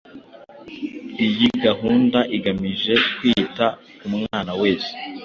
Iyi gahunda igamije kwita ku mwana wese